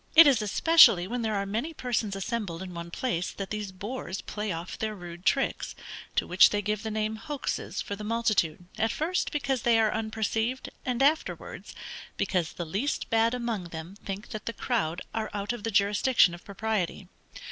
It is especially when there are many persons assembled in one place that these boors play off their rude tricks; to which they give the name hoaxes for the multitude, at first because they are unperceived, and afterwards, because the least bad among them think that the crowd are out of the jurisdiction of propriety.